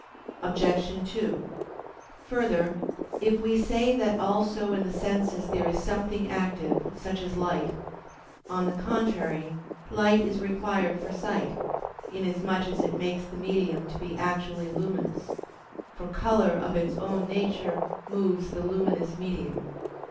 Obj. 2: Further, if we say that also in the senses there is something active, such as light: on the contrary, light is required for sight, inasmuch as it makes the medium to be actually luminous; for color of its own nature moves the luminous medium.